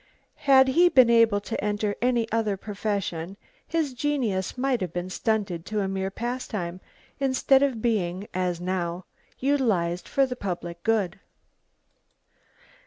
Had he been able to enter any other profession, his genius might have been stunted to a mere pastime, instead of being, as now, utilised for the public good.